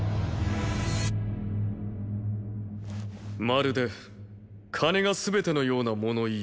まるで金が全てのようなもの言いだ。